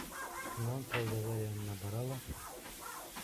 Шунан сауҙагәр янына бара ла: